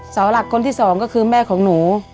สาวหลักคนที่สองก็คือแม่ของหนู